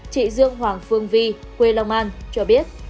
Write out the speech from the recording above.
chị dương hoàng phương vi quê long an cho biết